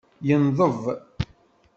Yenḍeb.